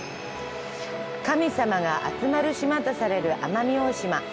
神様が集まる島とされる奄美大島。